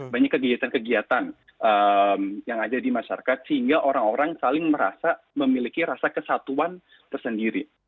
banyak kegiatan kegiatan yang ada di masyarakat sehingga orang orang saling merasa memiliki rasa kesatuan tersendiri